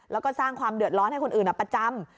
แล้วก็สร้างความเดือดร้อนให้คนอื่นประจำ